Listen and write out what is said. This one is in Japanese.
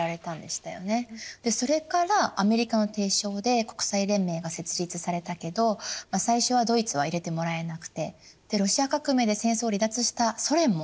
それからアメリカの提唱で国際連盟が設立されたけど最初はドイツは入れてもらえなくてロシア革命で戦争を離脱したソ連も入れてもらえなかったんですよね。